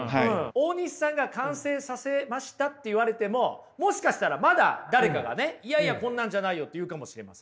大西さんが完成させましたって言われてももしかしたらまだ誰かがねいやいやこんなんじゃないよって言うかもしれません。